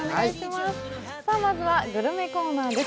まずはグルメコーナーです。